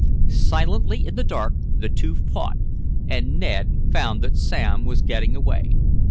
Silently in the dark the two fought, and Ned found that Sam was getting away.